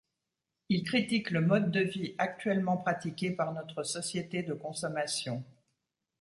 Il critique le mode de vie actuellement pratiqué par notre société de consommation.